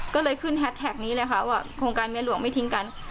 ก็เลยขึ้นแฮสแท็กนี้เลยค่ะว่าโครงการเมียหลวงไม่ทิ้งกัน